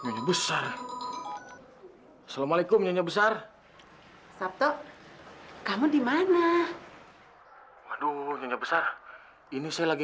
nyonya besar assalamualaikum nyonya besar sabtu kamu dimana aduh nyonya besar ini saya lagi